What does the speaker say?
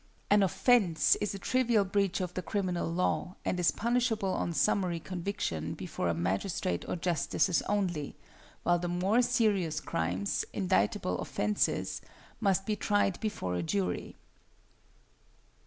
An offence is a trivial breach of the criminal law, and is punishable on summary conviction before a magistrate or justices only, while the more serious crimes (indictable offences) must be tried before a jury.